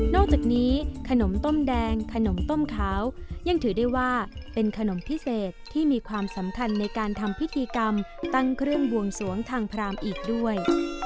อกจากนี้ขนมต้มแดงขนมต้มขาวยังถือได้ว่าเป็นขนมพิเศษที่มีความสำคัญในการทำพิธีกรรมตั้งเครื่องบวงสวงทางพรามอีกด้วย